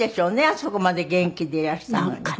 あそこまで元気でいらしたのに。